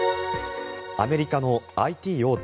アメリカのＩＴ大手